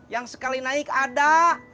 yang sekali naik ada